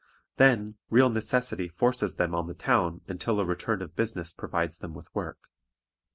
Then real necessity forces them on the town until a return of business provides them with work.